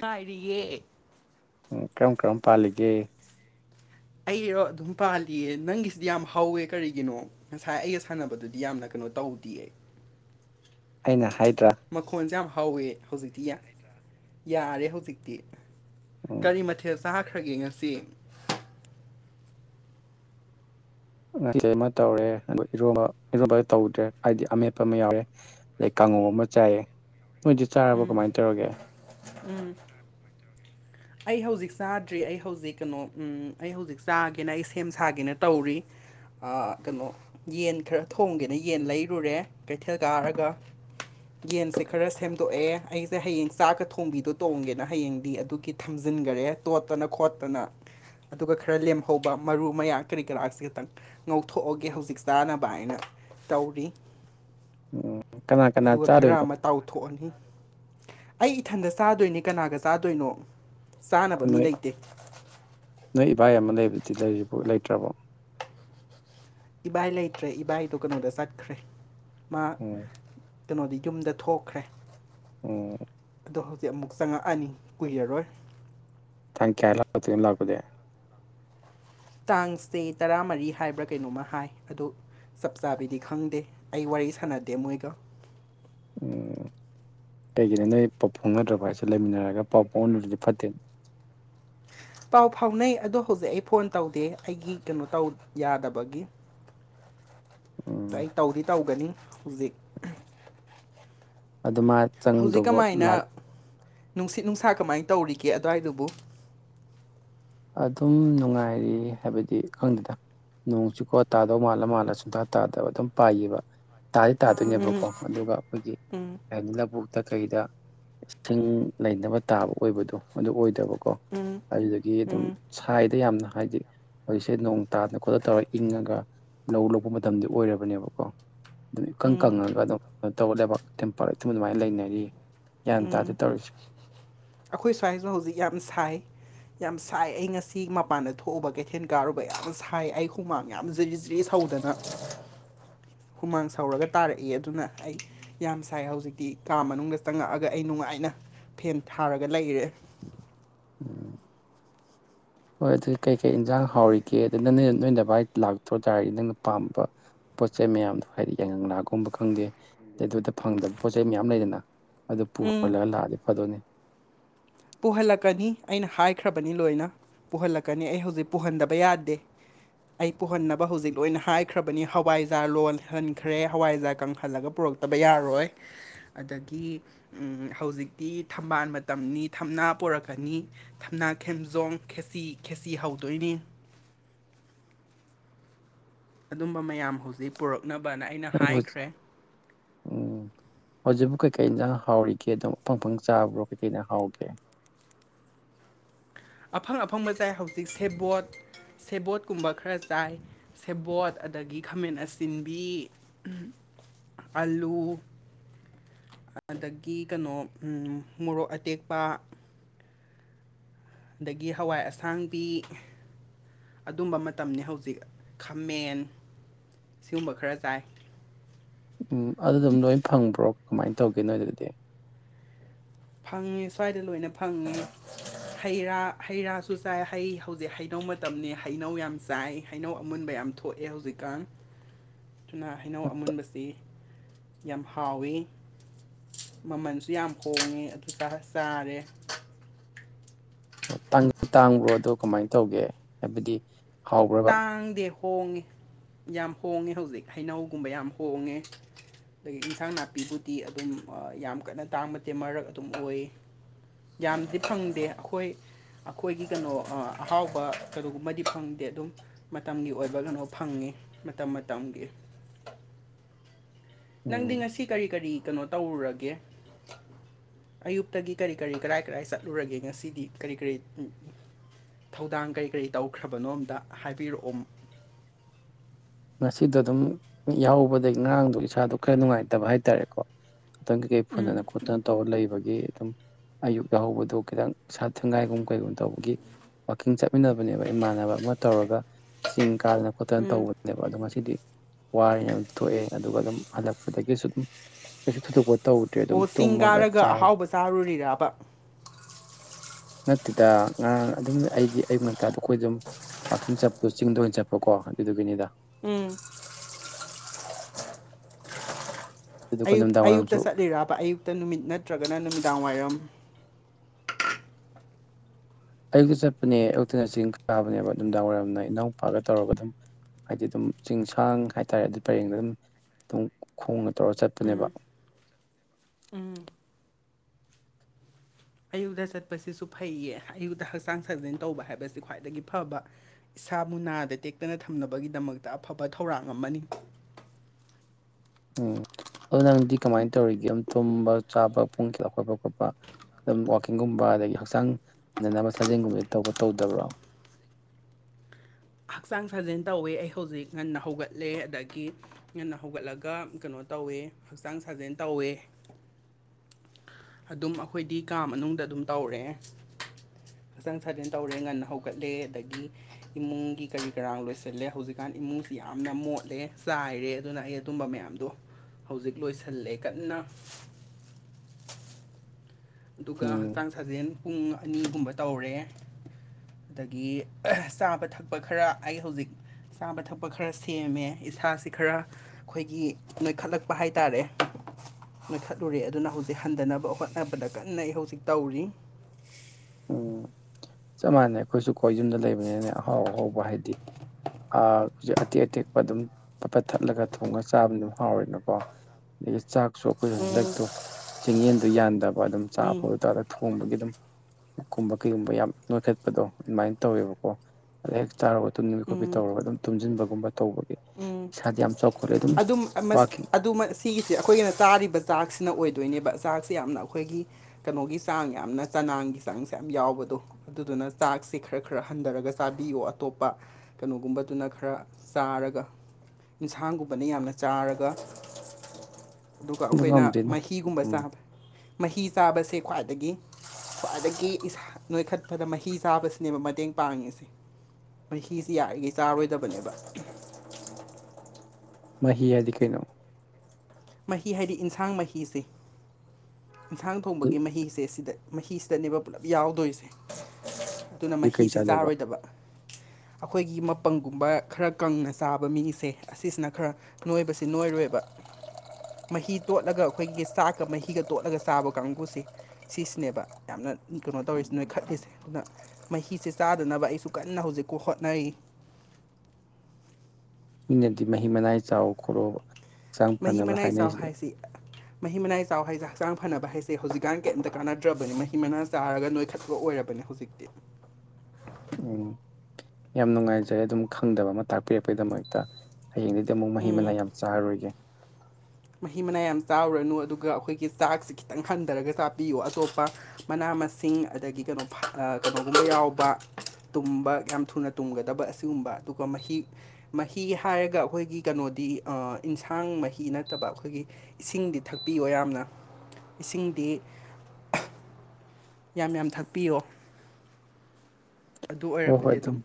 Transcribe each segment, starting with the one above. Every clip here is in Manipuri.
ꯍꯥꯏꯔꯤꯌꯦ ꯎꯝ ꯀꯔꯝ ꯀꯔꯝ ꯄꯥꯜꯂꯤꯒꯦ ꯑꯩꯔꯣ ꯑꯗꯨꯝ ꯄꯥꯜꯂꯤꯌꯦ ꯅꯪꯒꯤꯁꯤꯗꯤ ꯌꯥꯝ ꯍꯧꯋꯦ ꯀꯔꯤꯒꯤꯅꯣ ꯉꯁꯥꯏ ꯑꯩꯒ ꯁꯥꯟꯅꯕꯗꯨꯗꯤ ꯌꯥꯝꯅ ꯀꯩꯅꯣ ꯇꯧꯗꯤꯌꯦ ꯑꯩꯅ ꯍꯥꯏꯗ꯭ꯔꯥ ꯃꯈꯣꯟꯁꯦ ꯌꯥꯝ ꯍꯧꯋꯦ ꯍꯧꯖꯤꯛꯇꯤ ꯌꯥ ꯌꯥꯔꯦ ꯍꯧꯖꯤꯛꯇꯤ ꯎꯝ ꯀꯔꯤ ꯃꯊ ꯊꯦꯜ ꯆꯥꯈ꯭ꯔꯒꯦ ꯉꯁꯤ ꯑꯇꯦ ꯑꯃ ꯇꯧꯔꯦ ꯑꯗꯨꯒ ꯏꯔꯣꯝꯕ ꯏꯔꯣꯝꯕꯗꯤ ꯇꯧꯗ꯭ꯔꯦ ꯍꯥꯏꯗꯤ ꯑꯃꯦꯠꯄ ꯑꯃ ꯌꯥꯎꯔꯦ ꯑꯗꯩ ꯀꯥꯡꯉꯨ ꯑꯃ ꯆꯥꯏꯌꯦ ꯅꯣꯏꯗꯤ ꯆꯥꯔꯕ ꯎꯝ ꯀꯃꯥꯏꯟ ꯇꯧꯔꯒꯦ ꯎꯝ ꯑꯩ ꯍꯧꯖꯤꯛ ꯆꯥꯗ꯭ꯔꯤ ꯑꯩ ꯍꯧꯖꯤꯛ ꯀꯩꯅꯣ ꯎꯝ ꯑꯩ ꯍꯧꯖꯤꯛ ꯆꯥꯒꯦꯅ ꯑꯩ ꯁꯦꯝ ꯁꯥꯒꯦꯅ ꯇꯧꯔꯤ ꯑ ꯀꯩꯅꯣ ꯌꯦꯟ ꯈꯔ ꯊꯣꯡꯒꯦꯅ ꯌꯦꯟ ꯂꯩꯔꯨꯔꯦ ꯀꯩꯊꯦꯜ ꯀꯥꯔꯒ ꯌꯦꯟꯁꯦ ꯈꯔ ꯁꯦꯝꯗꯣꯛꯑꯦ ꯑꯩꯖꯦ ꯍꯌꯦꯡ ꯆꯥꯛꯀ ꯊꯣꯡꯕꯤꯗꯣ ꯇꯣꯡꯒꯦꯅ ꯍꯌꯦꯡꯗꯤ ꯑꯗꯨꯒꯤ ꯊꯝꯖꯤꯟꯒꯔꯦ ꯇꯣꯠꯇꯅ ꯈꯣꯠꯇꯅ ꯑꯗꯨꯒ ꯈꯔ ꯂꯦꯝꯍꯧꯕ ꯃꯔꯨ ꯃꯌꯥꯝ ꯀꯔꯤ ꯀꯔꯥꯥꯁꯤ ꯇꯪ ꯉꯧꯊꯣꯛꯑꯒꯦ ꯍꯧꯖꯤꯛ ꯆꯥꯅꯕ ꯍꯥꯏꯅ ꯇꯧꯔꯤ ꯑꯣ ꯑꯣ ꯑꯗꯨꯒ ꯈꯔ ꯑꯃ ꯇꯥꯎꯊꯣꯛꯑꯅꯤ ꯑꯩ ꯏꯊꯟꯗ ꯆꯥꯗꯣꯏꯅꯤ ꯀꯅꯥꯒ ꯆꯥꯗꯣꯏꯅꯣ ꯆꯥꯅꯕ ꯃꯤ ꯅꯣꯏ ꯂꯩꯇꯦ ꯅꯣꯏ ꯏꯕꯥꯏ ꯑꯃ ꯂꯩꯕꯗꯨꯗꯤ ꯂꯩꯔꯤꯕꯣ ꯂꯩꯇ꯭ꯔꯕꯣ ꯏꯕꯥꯏ ꯂꯩꯇ꯭ꯔꯦ ꯏꯕꯥꯏꯗꯣ ꯀꯩꯅꯣꯗ ꯆꯠꯈ꯭ꯔꯦ ꯃꯥ ꯎꯝ ꯀꯩꯅꯣꯗꯤ ꯌꯨꯝꯗ ꯊꯣꯛꯈ꯭ꯔꯦ ꯑꯣ ꯑꯗꯣ ꯍꯧꯖꯤꯛ ꯑꯃꯨꯛ ꯆꯪꯉꯛꯑꯅꯤ ꯀꯨꯏꯔꯔꯣꯏ ꯇꯥꯡ ꯀꯌꯥ ꯂꯥꯛꯀꯗꯣꯏꯅꯣ ꯂꯥꯛꯄꯗꯤ ꯇꯥꯡꯁꯦ ꯇꯔꯥꯃꯔꯤ ꯍꯥꯏꯕ꯭ꯔꯥ ꯀꯩꯅꯣꯝꯃ ꯍꯥꯏ ꯑꯗꯣ ꯆꯞ ꯆꯥꯕꯤꯗꯤ ꯈꯪꯗꯦ ꯑꯩ ꯋꯥꯔꯤ ꯁꯥꯟꯅꯗꯦ ꯃꯣꯏꯒ ꯎꯝ ꯀꯩꯒꯤꯅ ꯅꯣꯏ ꯄꯥꯎ ꯐꯥꯎꯅꯗ꯭ꯔꯕ ꯍꯥꯏꯁ ꯂꯩꯃꯤꯟꯅꯔꯒ ꯄꯥꯎ ꯐꯥꯎꯍꯟꯕꯗꯨꯗꯤ ꯐꯠꯇꯦ ꯄꯥꯎ ꯐꯥꯎꯅꯩ ꯑꯗꯣ ꯍꯧꯖꯤꯛ ꯑꯩ ꯐꯣꯟ ꯇꯧꯗꯦ ꯑꯩꯒꯤ ꯀꯩꯅꯣ ꯇꯧ ꯌꯥꯗꯕꯒꯤ ꯎꯝ ꯑꯩ ꯇꯧꯗꯤ ꯇꯧꯒꯅꯤ ꯍꯧꯖꯤꯛ ꯑꯗꯨꯃꯥ ꯍꯧꯖꯤꯛ ꯆꯪꯗꯧꯕ ꯀꯃꯥꯏꯅ ꯂꯥꯛ ꯅꯨꯡꯁꯤꯠ ꯅꯨꯡꯁꯥ ꯀꯃꯥꯏꯅ ꯇꯧꯔꯤꯒꯦ ꯑꯗꯨ꯭ꯋꯥꯏꯗꯨꯕꯨ ꯑꯗꯨꯝ ꯅꯨꯡꯉꯥꯏꯔꯤ ꯍꯥꯏꯕꯗꯤ ꯈꯪꯗꯦꯗ ꯅꯣꯡ ꯆꯨꯀꯣ ꯇꯥꯗꯧ ꯃꯥꯜꯂ ꯃꯥꯜꯂ ꯁꯨꯡꯊꯥ ꯇꯥꯗꯕ ꯑꯗꯨꯝ ꯄꯥꯏꯒꯤꯕ ꯇꯥꯗꯤ ꯎꯝ ꯇꯥꯗꯣꯏꯅꯦꯕꯀꯣ ꯑꯗꯨꯒ ꯑꯩꯈꯣꯏꯒꯤ ꯎꯝ ꯍꯥꯏꯅꯤ ꯂꯧꯕꯨꯛꯇ ꯀꯩꯗ ꯏꯁꯤꯡ ꯂꯩꯅꯕ ꯇꯥꯕ ꯑꯣꯏꯕꯗꯣ ꯑꯗꯨ ꯑꯣꯏꯗꯕꯀꯣ ꯎꯝ ꯑꯗꯨꯗꯒꯤ ꯒꯤ ꯑꯗꯨꯝ ꯎꯝ ꯁꯥꯏꯗ ꯌꯥꯝꯅ ꯍꯥꯏꯗꯤ ꯍꯧꯖꯤꯛꯁꯦ ꯅꯣꯡ ꯇꯥꯅ ꯈꯣꯠꯂ ꯇꯧꯔ ꯏꯪꯉꯒ ꯂꯧ ꯂꯣꯛꯄ ꯃꯇꯝꯗꯤ ꯑꯣꯏꯔꯕꯅꯦꯕꯀꯣ ꯑꯗꯨꯝ ꯏꯀꯪ ꯎꯝ ꯀꯪꯉꯒ ꯑꯗꯨꯝ ꯇ ꯂꯩꯕꯥꯛ ꯇꯦꯝꯄꯥꯛ ꯏꯊꯨꯝ ꯑꯗꯨꯃꯥꯏꯅ ꯂꯩꯅꯔꯤ ꯒ꯭ꯌꯥꯟ ꯇꯥꯗ ꯎꯝ ꯇꯧꯔꯤꯁꯦ ꯑꯩꯈꯣꯏ ꯁ꯭ꯋꯥꯏꯁꯨ ꯍꯧꯖꯤꯛ ꯌꯥꯝ ꯁꯥꯏ ꯌꯥꯝ ꯁꯥꯏ ꯑꯩ ꯉꯁꯤ ꯃꯄꯥꯟꯗ ꯊꯣꯛꯎꯕ ꯀꯩꯊꯦꯜ ꯀꯥꯔꯨꯕ ꯌꯥꯝ ꯁꯥꯏ ꯑꯩ ꯍꯨꯃꯥꯡ ꯌꯥꯝ ꯖꯤꯔꯤ ꯖꯤꯔꯤ ꯁꯧꯗꯅ ꯍꯨꯃꯥꯡ ꯁꯧꯔꯒ ꯇꯥꯔꯛꯏ ꯑꯗꯨꯅ ꯑꯩ ꯌꯥꯝ ꯁꯥꯏ ꯍꯧꯖꯤꯛꯇꯤ ꯀꯥ ꯃꯅꯨꯡꯗ ꯆꯪꯉꯛꯑꯒ ꯑꯩ ꯅꯨꯡꯉꯥꯏꯅ ꯐꯦꯟ ꯊꯥꯔꯒ ꯂꯩꯔꯦ ꯎꯝ ꯍꯣꯏ ꯑꯗꯨ ꯀꯩꯀꯩ ꯏꯟꯖꯥꯡ ꯍꯥꯎꯔꯤꯒꯦ ꯑꯗꯨꯗ ꯅꯪꯅ ꯅꯣꯏ ꯚꯥꯏ ꯂꯥꯛꯇ꯭ꯔ ꯇꯥꯔꯗꯤ ꯅꯪꯅ ꯄꯥꯝꯕ ꯄꯣꯠ ꯆꯩꯩ ꯃꯌꯥꯝꯗꯣ ꯍꯥꯏꯗꯤ ꯌꯥꯏꯉꯪꯅꯥꯒꯨꯝꯕ ꯈꯪꯗꯦ ꯑꯗꯩ ꯑꯗꯨꯗ ꯐꯪꯗꯕ ꯄꯣꯠ ꯆꯩꯩ ꯃꯌꯥꯝ ꯂꯩꯗꯅ ꯑꯗꯨ ꯎꯝ ꯄꯨꯍꯜꯂꯒ ꯂꯥꯛꯑꯗꯤ ꯐꯗꯣꯏꯅꯦ ꯄꯨꯍꯜꯂꯛꯀꯅꯤ ꯑꯩꯅ ꯍꯥꯏꯈ꯭ꯔꯕꯅꯤ ꯂꯣꯏꯅ ꯄꯨꯍꯜꯂꯛꯀꯅꯤ ꯑꯩ ꯍꯧꯖꯤꯛ ꯄꯨꯍꯟꯗꯕ ꯌꯥꯗꯦ ꯑꯩ ꯄꯨꯍꯟꯅꯕ ꯍꯧꯖꯤꯛ ꯂꯣꯏꯅ ꯍꯥꯏꯈ꯭ꯔꯕꯅꯤ ꯍꯋꯥꯏꯖꯥꯔ ꯂꯣꯜꯍꯟꯈ꯭ꯔꯦ ꯍꯋꯥꯏꯖꯥꯔ ꯀꯪꯍꯜꯂꯒ ꯄꯨꯔꯛ ꯐ ꯇꯕ ꯌꯥꯔꯣꯏ ꯑꯗꯒꯤ ꯍꯧꯖꯤꯛꯇꯤ ꯊꯝꯕꯥꯜ ꯃꯇꯝꯅꯤ ꯊꯝꯅꯥ ꯄꯣꯔꯛꯀꯅꯤ ꯊꯝꯅꯥ ꯈꯦꯝꯖꯣꯡ ꯈꯦꯁꯤ ꯈꯦꯁꯤ ꯍꯧꯗꯣꯏꯅꯤ ꯑꯗꯨꯝꯕ ꯃꯌꯥꯝ ꯍꯧꯖꯤꯛ ꯄꯨꯔꯛꯅꯕꯅ ꯑꯩꯅ ꯅꯪꯕꯨ ꯍꯧꯖꯤꯛ ꯍꯥꯏꯈ꯭ꯔꯦ ꯎꯝ ꯍꯧꯖꯤꯛꯕꯨ ꯀꯩꯀꯩꯅ ꯍꯥꯎꯔꯤꯒꯦ ꯑꯗꯨꯝ ꯑꯐꯩ ꯑꯐꯪ ꯆꯥꯕ꯭ꯔꯣ ꯀꯩꯀꯩꯅ ꯍꯥꯎꯒꯦ ꯑꯐꯪ ꯑꯐꯪꯕ ꯆꯥꯏ ꯍꯧꯖꯤꯛ ꯁꯦꯕꯣꯠ ꯁꯦꯕꯣꯠꯀꯨꯝꯕ ꯈꯔ ꯆꯥꯏ ꯁꯦꯕꯣꯠ ꯑꯗꯒꯤ ꯈꯥꯃꯦꯟ ꯑꯁꯤꯟꯕꯤ ꯑꯂꯨ ꯑꯗꯒꯤ ꯀꯩꯅꯣ ꯃꯣꯔꯣꯛ ꯑꯇꯦꯛꯄ ꯑꯗꯒꯤ ꯍꯋꯥꯏ ꯑꯁꯥꯡꯕꯤ ꯑꯗꯨꯝꯕ ꯃꯇꯝꯅꯤ ꯍꯧꯖꯤꯛ ꯈꯥꯃꯦꯟ ꯁꯤꯒꯨꯝꯕ ꯈꯔ ꯆꯥꯏ ꯎꯝ ꯑꯗꯨ ꯑꯗꯨꯝ ꯂꯣꯏ ꯐꯪꯕ꯭ꯔꯣ ꯀꯃꯥꯏꯅ ꯇꯧꯒꯦ ꯅꯣꯏ ꯑꯗꯨꯗꯗꯤ ꯐꯪꯉꯦ ꯁ꯭ꯋꯥꯏꯗ ꯂꯣꯏꯅ ꯐꯪꯉꯦ ꯍꯩ ꯔꯥ ꯍꯩ ꯔꯥꯁꯨ ꯆꯥꯏ ꯍꯩ ꯍꯧꯖꯤꯛ ꯍꯩꯅꯧ ꯃꯇꯝꯅꯤ ꯍꯩꯅꯧ ꯌꯥꯝ ꯆꯥꯏ ꯍꯩꯅꯧ ꯑꯃꯨꯟꯕ ꯌꯥꯝ ꯊꯣꯛꯑꯦ ꯍꯧꯖꯤꯛꯀꯥꯟ ꯑꯗꯨꯅ ꯍꯩꯅꯧ ꯑꯃꯨꯟꯕꯁꯤ ꯌꯥꯝ ꯍꯥꯎꯋꯤ ꯃꯃꯜꯁꯨ ꯌꯥꯝ ꯍꯣꯡꯉꯦ ꯑꯗꯨ ꯆꯥꯔꯦ ꯑꯣ ꯇꯥꯡꯕ꯭ꯔꯣ ꯑꯗꯣ ꯀꯃꯥꯏꯅ ꯇꯧꯒꯦ ꯍꯥꯏꯕꯗꯤ ꯍꯥꯎꯕ꯭ꯔꯕ ꯇꯥꯡꯗꯦ ꯍꯣꯡꯉꯦ ꯌꯥꯝ ꯍꯣꯡꯉꯦ ꯍꯧꯖꯤꯛ ꯍꯩꯅꯧꯒꯨꯝꯕ ꯌꯥꯝ ꯍꯣꯡꯉꯦ ꯑꯗꯒꯤ ꯏꯟꯁꯥꯡ ꯅꯥꯄꯤꯕꯨꯗꯤ ꯑꯗꯨꯝ ꯌꯥꯝ ꯀꯟꯅ ꯇꯥꯡꯕꯗꯤꯦ ꯃꯔꯛ ꯑꯗꯨꯝ ꯑꯣꯏ ꯌꯥꯝꯗꯤ ꯐꯪꯗꯦ ꯑꯩꯈꯣꯏ ꯑꯩꯈꯣꯏꯒꯤ ꯀꯩꯅꯣ ꯑꯍꯥꯎꯕ ꯀꯩꯅꯣꯒꯨꯝꯕꯗꯤ ꯐꯪꯗꯦ ꯑꯗꯨꯝ ꯃꯇꯝꯒꯤ ꯑꯣꯏꯕ ꯀꯩꯅꯣ ꯐꯪꯉꯤ ꯃꯇꯝ ꯃꯇꯝꯒꯤ ꯅꯪꯗꯤ ꯎꯝ ꯉꯁꯤ ꯀꯔꯤ ꯀꯔꯤ ꯀꯥꯅꯣ ꯇꯧꯔꯨꯔꯒꯦ ꯑꯌꯨꯛꯇꯒꯤ ꯀꯔꯤ ꯀꯔꯤ ꯀꯔꯥꯏ ꯀꯔꯥꯏ ꯆꯠꯂꯨꯔꯒꯦ ꯉꯁꯤꯗꯤ ꯀꯔꯤ ꯀꯔꯤ ꯎꯝ ꯎꯝ ꯊꯧꯗꯥꯡ ꯀꯔꯤ ꯀꯔꯤ ꯇꯧꯈ꯭ꯔꯕꯅꯣ ꯑꯝꯇ ꯍꯥꯏꯕꯤꯔꯛꯑꯣꯝ ꯉꯁꯤꯗꯣ ꯑꯗꯨꯝ ꯌꯥꯍꯧꯕꯗꯩ ꯉꯔꯥꯡꯗꯣ ꯏꯁꯥꯗꯣ ꯈꯔ ꯅꯨꯡꯉꯥꯏꯇꯕ ꯍꯥꯏꯇꯥꯔꯦꯀꯣ ꯉꯥꯇꯪ ꯀꯩꯀꯩ ꯐꯨꯟꯗꯅ ꯈꯣꯠꯇꯅ ꯇꯧꯔ ꯂꯩꯕꯒꯤ ꯑꯗꯨꯝ ꯑꯌꯨꯛ ꯌꯥꯎꯍꯧꯕꯗꯣ ꯈꯤꯇꯪ ꯁꯥꯠ ꯊꯦꯡꯒꯥꯏꯒꯨꯝ ꯀꯩꯒꯨꯝ ꯇꯧꯕ ꯒꯤ ꯋꯥꯛꯀꯤꯡ ꯆꯠꯃꯤꯟꯅꯕꯅꯦꯕ ꯏꯃꯥꯟꯅꯕ ꯑꯃ ꯇꯧꯔꯒ ꯆꯤꯡ ꯀꯥꯗꯅ ꯈꯣꯠꯇꯅ ꯎꯝ ꯇꯧꯕ__ ꯅꯦꯕ ꯑꯗꯣ ꯉꯁꯤꯗꯤ ꯋꯥꯔꯦꯅ ꯊꯣꯛꯑꯦ ꯑꯗꯨꯒ ꯑꯗꯨꯝ ꯍꯟꯂꯛꯄꯗꯒꯤꯁꯨ ꯑꯗꯨꯝ ꯀꯩꯁꯨ ꯊꯣꯏꯗꯣꯛꯄꯠ ꯑꯣ ꯆꯤꯡ ꯀꯥꯔꯒ ꯑꯍꯥꯎꯕ ꯆꯥꯔꯨꯔꯤꯕ ꯅꯠꯇꯦꯗ ꯉꯔꯥꯡ ꯑꯗꯨꯝ ꯑꯩꯗꯤ ꯑꯌꯨꯛ ꯉꯟꯇꯥꯗ ꯑꯩꯈꯣꯏ ꯑꯗꯨꯝ ꯋꯥꯛꯀꯤꯡ ꯆꯠꯄ ꯆꯤꯡꯗ ꯑꯣꯏꯅ ꯆꯠꯄꯀꯣ ꯑꯗꯨꯗꯨꯒꯤꯅꯤꯗ ꯎꯝ ꯑꯗꯨꯒ ꯑꯌꯨ ꯅꯨꯃꯤꯗꯥꯡ ꯋꯥꯏꯔꯝꯁꯨ ꯑꯌꯨꯛꯇ ꯆꯠꯂꯤꯔꯕ ꯑꯌꯨꯛꯇ ꯅꯨꯃꯤꯠ ꯅꯠꯇ꯭ꯔꯒꯅ ꯅꯨꯃꯤꯗꯥꯡ ꯋꯥꯏꯔꯝ ꯑꯌꯨꯛꯇ ꯆꯠꯄꯅꯦ ꯑꯌꯨꯛꯇꯅ ꯆꯤꯡ ꯀꯥꯕꯅꯦꯕ ꯗꯨꯝꯗꯥꯋꯥꯏꯔꯝꯅ ꯏꯅꯥꯎꯄꯥꯒ ꯇꯧꯔꯒ ꯑꯗꯨꯝ ꯍꯥꯏꯗꯤ ꯑꯗꯨꯝ ꯆꯤꯡꯁꯥꯡ ꯍꯥꯏꯇꯥꯔꯦ ꯑꯗꯨ ꯄꯔꯦꯡꯗ ꯑꯗꯨꯝ ꯑꯗꯨꯝ ꯈꯣꯡꯉ ꯇꯧꯔ ꯆꯠꯄꯅꯦꯕ ꯎꯝ ꯑꯌꯨꯛꯇ ꯆꯠꯄꯁꯤꯁꯨ ꯐꯩꯌꯦ ꯑꯌꯨꯛꯇ ꯍꯛꯆꯥꯡ ꯁꯥꯡꯖꯦꯟ ꯇꯧꯕ ꯍꯥꯏꯕꯁꯤ ꯈ꯭ꯋꯥꯏꯗꯒꯤ ꯐꯕ ꯏꯁꯥꯕꯨ ꯅꯥꯗ ꯇꯦꯛꯇꯅ ꯊꯝꯅꯕꯒꯤꯗꯃꯛꯇ ꯑꯐꯕ ꯊꯧꯔꯥꯡ ꯑꯃꯅꯤ ꯎꯝ ꯑꯋꯨ ꯅꯪꯗꯤ ꯀꯃꯥꯏꯟ ꯇꯧꯔꯤꯒꯦ ꯑꯗꯨꯝ ꯇꯨꯝꯕ ꯆꯥꯕ ꯄꯨꯡ ꯀꯌꯥ ꯍꯧꯈꯠꯄ ꯈꯣꯠꯄ ꯑꯗꯨꯝ ꯋꯥꯛꯀꯤꯡꯒꯨꯝꯕ ꯑꯗꯒꯤ ꯍꯛꯆꯥꯡ ꯐꯖꯅꯕ ꯁꯥꯖꯦꯜꯒꯨꯝꯕꯗꯤ ꯇꯧꯕ ꯇꯧꯗꯕ꯭ꯔꯣ ꯍꯛꯆꯥꯡ ꯁꯥꯖꯦꯟ ꯇꯧꯋꯦ ꯑꯩ ꯍꯧꯖꯤꯛ ꯉꯟꯅ ꯍꯧꯒꯠꯂꯦ ꯑꯗꯒꯤ ꯉꯟꯅ ꯍꯧꯒꯠꯂꯒ ꯀꯩꯅꯣ ꯇꯧꯋꯦ ꯍꯛꯆꯥꯡ ꯁꯥꯖꯦꯟ ꯇꯧꯋꯦ ꯑꯗꯨꯝ ꯑꯩꯈꯣꯏꯗꯤ ꯀꯥ ꯃꯅꯨꯡꯗ ꯑꯗꯨꯝ ꯇꯧꯔꯦ ꯍꯛꯆꯥꯡ ꯁꯥꯖꯦꯟ ꯇꯧꯔꯦ ꯉꯟꯅ ꯍꯧꯒꯠꯂꯦ ꯑꯗꯒꯤ ꯏꯃꯨꯡꯒꯤ ꯀꯔꯤ ꯀꯔꯥꯡ ꯂꯣꯏꯁꯤꯜꯂꯦ ꯍꯧꯖꯤꯛꯀꯥꯟ ꯏꯃꯨꯡꯁꯤ ꯌꯥꯝꯅ ꯃꯣꯠꯂꯦ ꯆꯥꯏꯔꯦ ꯑꯗꯨꯅ ꯑꯩ ꯑꯗꯨꯝꯕ ꯃꯌꯥꯝꯗꯣ ꯍꯧꯖꯤꯛ ꯂꯣꯏꯁꯤꯜꯂꯦ ꯀꯟꯅ ꯑꯗꯨꯒ ꯎꯝ ꯍꯛꯆꯥꯡ ꯁꯥꯖꯦꯟ ꯄꯨꯡ ꯑꯅꯤꯒꯨꯝꯕ ꯇꯧꯔꯦ ꯑꯗꯒꯤ ꯆꯥꯕ ꯊꯛꯄ ꯈꯔ ꯑꯩ ꯍꯧꯖꯤꯛ ꯆꯥꯕ ꯊꯛꯄ ꯈꯔ ꯁꯦꯝꯃꯦ ꯏꯁꯥꯥꯁꯦ ꯈꯔ ꯑꯩꯈꯣꯏꯒꯤ ꯅꯣꯏꯈꯠꯂꯛꯄ ꯍꯥꯏ ꯇꯥꯔꯦ ꯅꯣꯏꯈꯠꯂꯨꯔꯦ ꯑꯗꯨꯅ ꯍꯧꯖꯤꯛ ꯍꯟꯗꯅꯕ ꯍꯣꯠꯅꯕꯗ ꯀꯟꯅ ꯑꯩ ꯍꯧꯖꯤꯛ ꯇꯧꯔꯤ ꯆꯞ ꯃꯥꯟꯅꯩ ꯑꯩꯈꯣꯏꯁꯨ ꯀꯣ ꯌꯨꯝꯗ ꯂꯩꯕꯅꯤꯅꯅꯦ ꯑꯍꯥꯎ ꯑꯍꯥꯎꯕ ꯍꯥꯏꯗꯤ ꯑ ꯍꯧꯖꯤꯛ ꯑꯇꯦꯛ ꯑꯇꯦꯛꯄ ꯑꯗꯨꯝ ꯄꯠ ꯄꯠ ꯊꯠꯂꯒ ꯊꯣꯡꯉ ꯆꯥꯕ ꯑꯗꯨꯝ ꯍꯥꯎꯋꯦꯅꯀꯣ ꯑꯗꯒꯤ ꯆꯥꯛꯁꯨ ꯑꯩꯈꯣꯏ ꯎꯝ ꯍꯟꯗꯛꯇꯨ ꯆꯦꯡꯌꯦꯟꯗꯨ ꯌꯥꯟꯗꯕ ꯑꯗꯨꯝ ꯎꯝ ꯆꯥꯛꯑꯐ ꯇꯗ ꯊꯣꯡꯕꯒꯤ ꯑꯗꯨꯝ ꯀꯨꯝꯕ ꯀꯩꯒꯨꯝꯕ ꯌꯥꯝ ꯅꯣꯏꯈꯠꯄꯗꯣ ꯑꯗꯨꯃꯥꯏꯅ ꯇꯧꯋꯦꯕꯀꯣ ꯑꯗꯩ ꯍꯦꯛ ꯆꯥꯔꯒ ꯇꯨꯝꯕꯤ ꯈꯣꯠꯄꯤ ꯎꯝ ꯇꯧꯔꯒ ꯑꯗꯨꯝ ꯇꯨꯝꯖꯤꯟꯕꯒꯨꯝꯕ ꯇꯧꯕꯒꯤ ꯎꯝ ꯏꯁꯥꯗꯤ ꯌꯥꯝ ꯆꯥꯎ__ ꯑꯗꯨꯝ ꯑꯃꯁ ꯑꯠ__ ꯑꯗꯨꯃ ꯁꯤꯒꯤꯁꯦ ꯑꯩꯈꯣꯏꯒꯤꯅ ꯆꯥꯔꯤꯕ ꯆꯥꯛꯁꯤꯅ ꯑꯣꯏꯗꯣꯏꯅꯦꯕ ꯆꯥꯛꯁꯦ ꯌꯥꯝꯅ ꯑꯩꯈꯣꯏꯒꯤ ꯀꯅꯣꯒꯤ ꯆꯥꯡ ꯌꯥꯝꯅ ꯆꯅꯥꯡꯒꯤ ꯆꯥꯡꯁꯦ ꯌꯥꯝ ꯌꯥꯎꯕꯗꯣ ꯑꯗꯨꯗꯨꯅ ꯆꯥꯛꯁꯦ ꯈꯔ ꯈꯔ ꯍꯟꯗꯔꯒ ꯆꯥꯕꯤꯌꯣ ꯑꯇꯣꯞꯄ ꯀꯅꯣꯒꯨꯝꯕꯗꯨꯅ ꯈꯔ ꯆꯥꯔꯒ ꯏꯟꯁꯥꯡꯒꯨꯝ ꯕꯅ ꯌꯥꯝꯅ ꯆꯥꯔꯒ ꯑꯗꯨꯒ ꯑꯗꯨꯝ ꯑꯩꯈꯣꯏꯅ ꯉꯝꯗꯦꯅꯦ ꯃꯍꯤꯒꯨꯝꯕ ꯎꯝ ꯆꯥꯕ ꯃꯍꯤ ꯆꯥꯕꯁꯦ ꯈ꯭ꯋꯥꯏꯗꯒꯤ ꯈ꯭ꯋꯥꯢꯗꯒꯤ ꯢꯁꯥ ꯅꯣꯢꯈꯠꯄꯗ ꯃꯍꯤ ꯆꯥꯕꯁꯤꯅꯦꯕ ꯃꯇꯦꯡ ꯄꯥꯡꯉꯤꯁꯦ ꯃꯍꯤꯁꯦ ꯌꯥꯔꯤꯒꯩ ꯆꯥꯔꯣꯢꯗꯕꯅꯦꯕ ꯃꯍꯤ ꯍꯥꯢꯗꯤ ꯀꯩꯅꯣ ꯃꯍꯤ ꯍꯥꯢꯗꯤ ꯢꯟꯁꯥꯡ ꯃꯍꯤꯁꯦ ꯌꯦꯟꯁꯥꯡ ꯊꯣꯡꯕꯒꯤ ꯃꯍꯤꯁꯦ ꯁꯤꯗ ꯃꯍꯤꯁꯤꯗꯅꯦꯕ ꯄꯨꯂꯞ ꯌꯥꯎꯗꯣꯢꯁꯦ ꯑꯗꯨꯅ ꯍꯧꯖꯤꯛ ꯀꯩ ꯃꯍꯤꯁꯦ ꯆꯥꯗꯣꯏꯕ ꯆꯥꯔꯣꯢꯗꯕ ꯑꯩꯈꯣꯢꯒꯤ ꯃꯄꯪꯒꯨꯝꯕ ꯈꯔ ꯀꯪꯅ ꯆꯥꯕ ꯃꯤꯁꯦ ꯑꯁꯤꯁꯤꯅ ꯈꯔ ꯅꯣꯏꯕꯁꯤ ꯅꯣꯢꯔꯣꯢꯕ ꯃꯍꯤ ꯇꯣꯠꯂꯒ ꯑꯩꯈꯣꯢꯒꯤ ꯆꯥꯛꯀ ꯃꯍꯤꯒ ꯇꯣꯠꯂꯒ ꯆꯥꯕ ꯀꯥꯡꯕꯨꯁꯦ ꯁꯤꯁꯤꯅꯦꯕ ꯌꯥꯝꯅ ꯀꯩꯅꯣ ꯇꯧꯔꯤꯁꯤ ꯅꯣꯢꯈꯠꯂꯤꯁꯦ ꯑꯗꯨꯅ ꯃꯍꯤꯁꯦ ꯆꯥꯗꯅꯕ ꯑꯩꯁꯨ ꯀꯟꯅ ꯍꯧꯖꯤꯛꯀꯨ ꯍꯣꯠꯅꯔꯤ ꯃꯤꯅꯗꯤ ꯃꯍꯤ ꯃꯅꯥꯢ ꯆꯥꯎ ꯈꯣꯠꯂꯎ ꯍꯛꯆꯥꯡ ꯐꯅꯕ ꯍꯥꯢꯅꯔꯤꯁꯤꯗꯤ ꯁꯤ ꯃꯍꯤ ꯃꯅꯥꯢ ꯆꯥꯎ ꯍꯥꯏꯁꯦ ꯍꯛꯆꯥꯡ ꯐꯅꯕ ꯍꯥꯢꯁꯦ ꯍꯧꯖꯤꯛꯀꯥꯟ ꯀꯩꯝꯇ ꯀꯥꯟꯅꯗ꯭ꯔꯕꯅꯤ ꯃꯍꯤ ꯃꯅꯥ ꯆꯥꯔꯒ ꯅꯣꯢꯈꯠꯄ ꯑꯣꯢꯔꯕꯅꯦ ꯍꯧꯖꯤꯛꯇ ꯎꯝ ꯌꯥꯝ ꯅꯨꯡꯉꯥꯢꯖꯔꯦ ꯑꯗꯨꯝ ꯈꯪꯗꯕ ꯑꯃ ꯇꯥꯛꯄꯤꯔꯛꯄꯩꯗꯃꯛꯇ ꯍꯌꯦꯡꯗꯒꯤꯗꯤ ꯑꯃꯨꯛ ꯃꯍꯤ ꯎꯝ ꯃꯅꯥꯢ ꯌꯥꯝ ꯆꯥꯔꯔꯣꯢꯒꯦ ꯃꯍꯤ ꯃꯅꯥꯢ ꯌꯥꯝ ꯆꯥꯔꯨꯔꯅꯨ ꯑꯗꯨꯒ ꯑꯩꯈꯣꯢꯒꯤ ꯆꯥꯛꯁꯤ ꯈꯤꯇꯪ ꯍꯟꯊꯔꯒ ꯆꯥꯄꯤꯌꯨ ꯑꯇꯣꯞꯄ ꯃꯅꯥ ꯃꯁꯤꯡ ꯑꯗꯒꯤ ꯀꯩꯅꯣ ꯀꯩꯅꯣꯒꯨꯝꯕ ꯌꯥꯎꯕ ꯇꯨꯝꯕ ꯌꯥꯝ ꯊꯨꯅ ꯇꯨꯝꯒꯗꯕ ꯑꯁꯤꯒꯨꯝꯕ ꯑꯗꯨꯒ ꯃꯍꯤ ꯃꯍꯤ ꯍꯥꯢꯔꯒ ꯑꯩꯈꯣꯢꯒꯤ ꯀꯩꯅꯣꯗꯤ ꯏꯟꯁꯥꯡ ꯃꯍꯤ ꯅ ꯐꯠꯇꯕ ꯑꯩꯈꯣꯢꯒꯤ ꯏꯁꯤꯡꯗꯤ ꯊꯛꯄꯤꯌꯣ ꯌꯥꯝꯅ ꯏꯁꯤꯡꯗꯤ ꯌꯥꯝ ꯌꯥꯝ ꯊꯥꯛꯄꯤꯌꯣ ꯑꯗꯨ ꯍꯣꯏ ꯍꯣꯏ ꯑꯣꯢꯔꯕꯗꯤ ꯑꯗꯨꯝ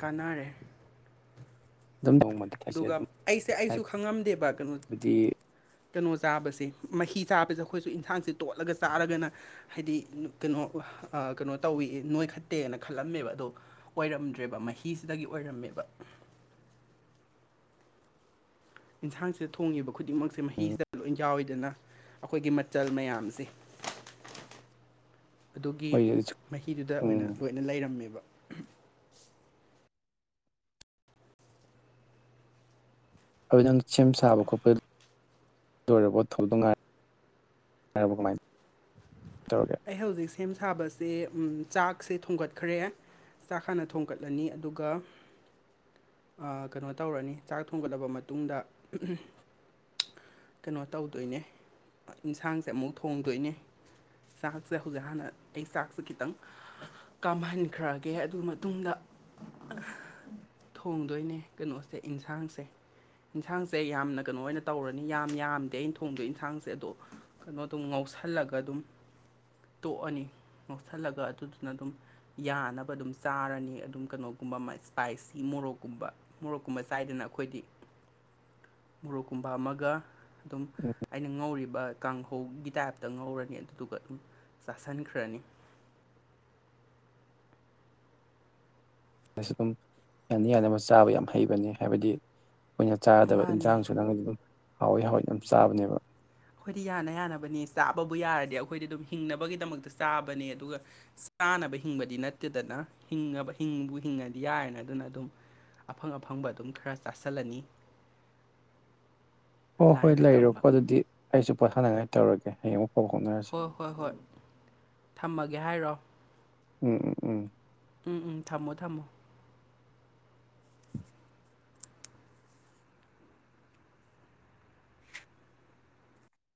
ꯀꯥꯟꯅꯔꯦ ꯑꯗꯨꯝ [unintelligible] ꯑꯗꯨꯒ ꯑꯩꯁꯦ ꯑꯩꯁꯨ ꯈꯪꯉꯝꯗꯦꯕ ꯀꯩꯅꯣ ꯍꯥꯏꯕꯗꯤ ꯀꯩꯅꯣ ꯆꯥꯕꯁꯦ ꯃꯍꯤ ꯆꯥꯕꯁꯦ ꯑꯩꯈꯣꯢꯁꯨ ꯏꯟꯁꯥꯡꯁꯦ ꯇꯣꯠꯂꯒ ꯆꯥꯔꯒꯅ ꯍꯥꯢꯗꯤ ꯀꯩꯅꯣ ꯀꯩꯅꯣ ꯇꯧꯋꯤ ꯅꯣꯢ ꯈꯠꯇꯦꯅ ꯈꯜꯂꯝꯃꯦꯕ ꯑꯗꯣ ꯑꯣꯢꯔꯝꯗ꯭ꯔꯦꯕ ꯃꯍꯤꯁꯤꯗꯒꯤ ꯑꯣꯢꯔꯝꯃꯦꯕ ꯌꯦꯟꯁꯥꯡꯁꯤꯗ ꯊꯣꯡꯉꯤꯕ ꯈꯨꯗꯤꯡꯃꯛꯁꯦ ꯃꯍꯤꯁꯤꯗ ꯂꯣꯢ ꯌꯥꯎꯋꯤꯗꯅ ꯑꯩꯈꯣꯢꯒꯤ ꯃꯆꯜ ꯃꯌꯥꯝꯁꯦ ꯑꯗꯨꯒꯤ ꯍꯣꯏ ꯃꯍꯤꯗꯨꯗ ꯑꯣꯢꯅ ꯎꯝ ꯂꯣꯢꯅ ꯂꯩꯔꯝꯃꯦꯕ ꯑꯗꯨ ꯅꯪ ꯁꯦꯝ ꯁꯥꯕ ꯈꯣꯠꯄ ꯂꯣꯢꯔꯕ ꯊꯧꯗ ꯉꯥꯢꯔ [unintelligible] ꯀꯃꯥꯢꯅ [unintelligible] ꯑꯩ ꯍꯧꯖꯤꯛ ꯁꯦꯝ ꯁꯥꯕꯁꯦ ꯆꯥꯛꯁꯦ ꯊꯣꯡꯒꯠꯈ꯭ꯔꯦ ꯆꯥꯛ ꯍꯥꯟꯅ ꯊꯣꯡꯀꯠꯂꯅꯤ ꯑꯗꯨꯒ ꯑꯥ ꯀꯩꯅꯣ ꯇꯧꯔꯅꯤ ꯆꯥꯛ ꯊꯣꯡꯒꯠꯂꯕ ꯃꯇꯨꯡꯗ ꯀꯩꯅꯣ ꯇꯧꯗꯣꯢꯅꯦ ꯌꯦꯟꯁꯥꯡꯁꯦ ꯑꯃꯨꯛ ꯊꯣꯡꯗꯣꯢꯅꯦ ꯆꯥꯛꯁꯤ ꯍꯧꯖꯤꯛ ꯍꯥꯟꯅ ꯑꯩ ꯆꯥꯛꯁꯤ ꯈꯤꯇꯪ ꯀꯥꯝꯍꯟꯈ꯭ꯔꯒꯦ ꯑꯗꯨ ꯃꯇꯨꯡꯗ ꯊꯣꯡꯗꯣꯢꯅꯦ ꯀꯩꯅꯣꯁꯦ ꯌꯦꯟꯁꯥꯡꯁꯦ ꯌꯦꯟꯁꯥꯡꯁꯦ ꯌꯥꯝꯅ ꯀꯩꯅꯣ ꯑꯣꯢꯅ ꯇꯧꯔꯅꯤ ꯌꯥꯝ ꯌꯥꯝꯗꯦ ꯑꯩꯅ ꯊꯣꯡꯗꯣ ꯌꯦꯟꯁꯥꯡꯁꯦ ꯑꯗꯣ ꯀꯩꯅꯣꯗꯨꯝ ꯉꯧꯁꯜꯂꯒ ꯑꯗꯨꯝ ꯇꯣꯛꯑꯅꯤ ꯅꯣꯊꯜꯂꯒ ꯑꯗꯨꯗꯨꯅ ꯑꯗꯨꯝ ꯌꯥꯅꯕ ꯑꯗꯨꯝ ꯆꯥꯔꯅꯤ ꯑꯗꯨꯝ ꯀꯩꯅꯣꯒꯨꯝꯕ ꯏꯁꯄꯥꯢꯁꯤ ꯃꯣꯔꯣꯛꯀꯨꯝꯕ ꯃꯣꯔꯣꯛꯀꯨꯝꯕ ꯆꯥꯏꯗꯅ ꯑꯩꯈꯣꯏꯗꯤ ꯃꯣꯔꯣꯛ ꯀꯨꯝꯕ ꯑꯃꯒ ꯑꯗꯨꯝ ꯑꯩꯅ ꯉꯧꯔꯤꯕ ꯀꯥꯡꯍꯧꯒꯤ ꯇꯥꯏꯞꯇ ꯉꯧꯔꯅꯤ ꯑꯗꯨꯗꯨꯒ ꯑꯗꯨꯝ ꯆꯥꯁꯟꯈ꯭ꯔꯅꯤ ꯑꯩꯁꯨ ꯗꯨꯝ ꯌꯥꯅ ꯌꯥꯕ ꯆꯥꯕ ꯌꯥꯝ ꯍꯩꯕꯅꯤ ꯍꯥꯏꯕꯗꯤ ꯑꯩꯈꯣꯏꯅ ꯆꯥꯗꯕ ꯃꯥꯅꯦ ꯏꯟꯖꯥꯡꯖꯨ ꯅꯪꯅꯗꯤ ꯑꯗꯨꯝ ꯍꯥꯎꯋꯦ ꯍꯥꯎꯋꯦ ꯑꯗꯨꯝ ꯆꯥꯕꯅꯦꯕ ꯑꯩꯈꯣꯏꯗꯤ ꯌꯥꯅ ꯌꯥꯅꯕꯅꯤ ꯆꯥꯕꯕꯨ ꯌꯥꯔꯗꯤ ꯑꯩꯈꯣꯏꯗꯤ ꯑꯗꯨꯝ ꯍꯤꯡꯅꯕꯒꯤꯗꯃꯛꯇ ꯆꯥꯕꯅꯦ ꯑꯗꯨꯒ ꯆꯥꯅꯕ ꯍꯤꯡꯕꯗꯤ ꯅꯠꯇꯦꯗꯅ ꯍꯤꯡꯉꯥꯕ ꯍꯤꯡꯕꯨ ꯍꯤꯡꯉꯗꯤ ꯌꯥꯔꯦꯅ ꯑꯗꯨꯅ ꯑꯗꯨꯝ ꯑꯐꯪ-ꯑꯐꯪꯕ ꯑꯗꯨꯝ ꯈꯔ ꯆꯥꯁꯜꯂꯅꯤ ꯑꯣ ꯍꯣꯏ ꯂꯩꯔꯣꯀꯣ ꯑꯗꯨꯗꯤ ꯑꯩꯁꯨ ꯄꯣꯠꯊꯥꯅꯤꯡꯉꯥꯏ ꯇꯧꯔꯒꯦ ꯍꯌꯦꯡꯃꯨꯛ ꯍꯣꯏ ꯍꯣꯏ ꯍꯣꯏ ꯊꯝꯃꯒꯦ ꯍꯥꯏꯔꯣ ꯎꯪꯎꯝ ꯎꯪꯎꯪꯊꯝꯃꯣ ꯊꯝꯃꯣ